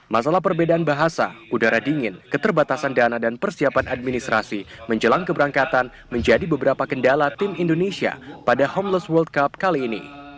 masalah perbedaan bahasa udara dingin keterbatasan dana dan persiapan administrasi menjelang keberangkatan menjadi beberapa kendala tim indonesia pada homeless world cup kali ini